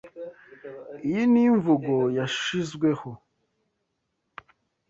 Iyi ni imvugo yashizweho.